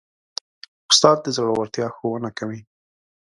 استاد د زړورتیا ښوونه کوي.